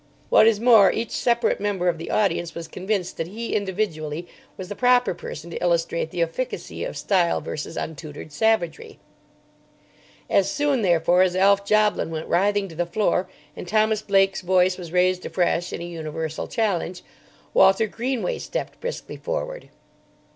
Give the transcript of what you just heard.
What is more, each separate member of the audience was convinced that he individually was the proper person to illustrate the efficacy of style versus untutored savagery. As soon, therefore, as Alf Joblin went writhing to the floor, and Thomas Blake's voice was raised afresh in a universal challenge, Walter Greenway stepped briskly forward.